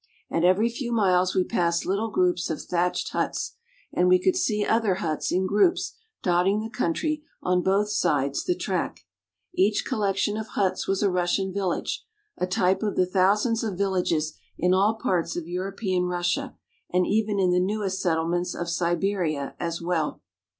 At every few miles we passed little groups of thatched huts, and we could see other huts in groups dotting the country on both sides the track. Each collection of huts was a Russian village, a type of the thousands of villages in all parts of European Russia, and even in the newest settlements of Siberia as well.